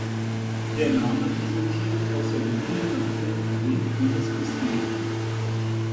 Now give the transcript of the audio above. Der Name resultiert aus der grünen Natur rund um das Küstengebiet.